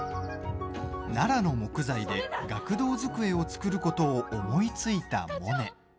ナラの木材で学童机を作ることを思いついたモネ。